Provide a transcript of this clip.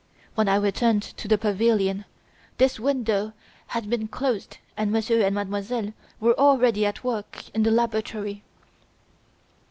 When I returned to the pavilion, this window had been closed and Monsieur and Mademoiselle were already at work in the laboratory."